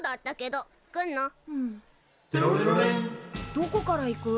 どこから行く？